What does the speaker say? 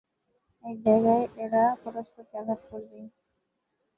এক জায়গায় এরা পরস্পরকে আঘাত করবেই।